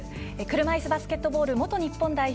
車いすバスケットボール元日本代表